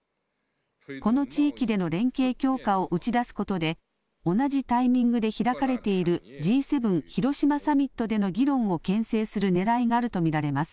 この地域での連携強化を打ち出すことで、同じタイミングで開かれているＧ７広島サミットでの議論をけん制するねらいがあると見られます。